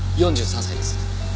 ４３歳です。